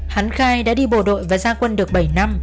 hắn khai đã đi bộ đội và gia quân được bảy năm